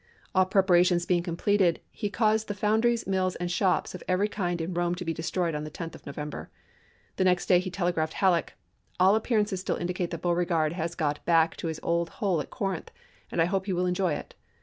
p 26i7 All preparations being completed he caused the foundries, mills, and shops of every kind in Eome to be destroyed on the 10th of November. The lse*. next day he telegraphed to Halleck, " All appear ances still indicate that Beauregard has got back to his old hole at Corinth and I hope he will enjoy it.